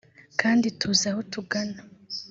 kandi tuzi aho tugana